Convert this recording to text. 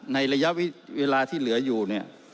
ในระยะเวลาที่เหลืออยู่เนี่ย